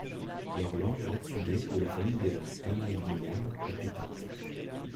Leur langue, l'atsugé, de la famille des langues palaihnihanes, est éteinte.